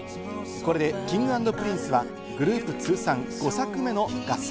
これでＫｉｎｇ＆Ｐｒｉｎｃｅはグループ通算５作目の合算